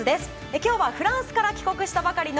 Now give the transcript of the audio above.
今日はフランスから帰国したばかりの